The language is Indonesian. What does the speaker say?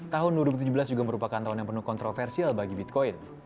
tahun dua ribu tujuh belas juga merupakan tahun yang penuh kontroversial bagi bitcoin